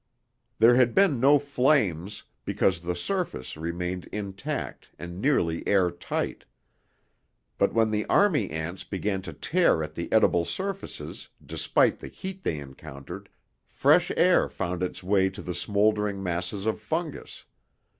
There had been no flames, because the surface remained intact and nearly air tight. But when the army ants began to tear at the edible surfaces despite the heat they encountered, fresh air found its way to the smouldering masses of fungus.